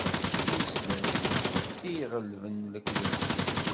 Ittmeslay, i iɣelben lekdeb.